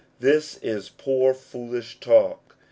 This is poor, foolish talk.